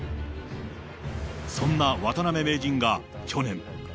そんな渡辺名人が去年。